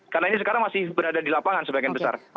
karena ini sekarang masih berada di lapangan sebagian besar